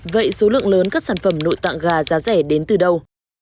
vậy số lượng lớn các sản phẩm nội tạng gà giá rẻ đến từ đâu